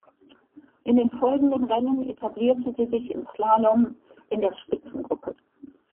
In den folgenden Rennen etablierte sie sich im Slalom in der Spitzengruppe.